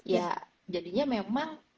ya jadinya memang